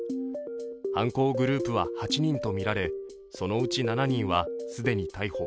犯行グループは８人とみられそのうち７人は既に逮捕。